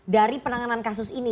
dari penanganan kasus ini